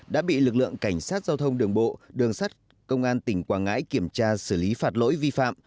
đã bị lực lượng cảnh sát giao thông đường bộ đường sắt công an tỉnh quảng ngãi kiểm tra xử lý phạt lỗi vi phạm